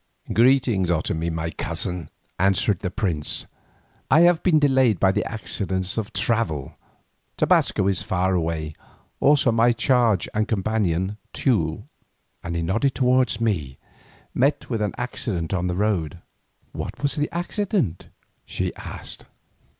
"Greeting, Otomie my cousin," answered the prince. "I have been delayed by the accidents of travel. Tobasco is far away, also my charge and companion, Teule," and he nodded towards me, "met with an accident on the road." "What was the accident?" she asked.